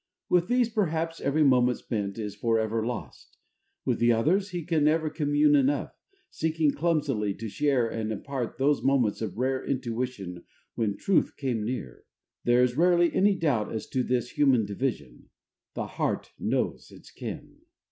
With these, perhaps, every moment spent is for ever lost. With the others he can never commune enough, seeking clumsily to share and impart those moments of rare intuition when truth came near. There is rarely any doubt as to this human division: the heart knows its kin.